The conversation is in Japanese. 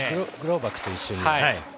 グローバクと一緒に。